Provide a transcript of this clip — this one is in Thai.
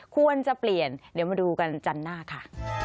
ควรจะเปลี่ยนเดี๋ยวมาดูกันจันทร์หน้าค่ะ